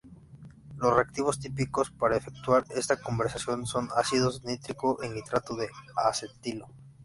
Los reactivos típicos para efectuar esta conversión son ácido nítrico y nitrato de acetilo.